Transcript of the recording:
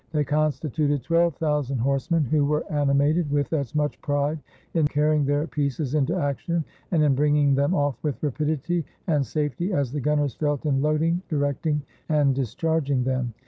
They constituted twelve thousand horsemen, who were animated with as much pride in carrying their pieces into action and in bringing them off with rapidity and safety, as the gunners felt in load ing, directing, and discharging them.